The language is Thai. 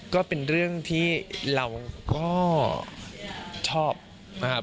ก็เป็นเรื่องที่เราก็ชอบมาก